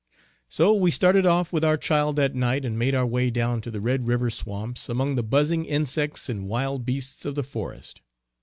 So we started off with our child that night, and made our way down to the Red river swamps among the buzzing insects and wild beasts of the forest.